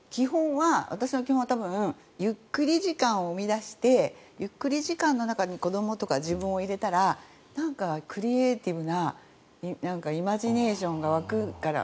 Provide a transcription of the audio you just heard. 基本は多分、ゆっくり時間を生み出してゆっくり時間の中に子どもとか自分を入れたらクリエーティブなイマジネーションが湧くから。